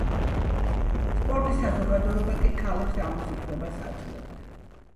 სპარტის საზოგადოება კი, ქალებს ამის უფლებას აძლევდა.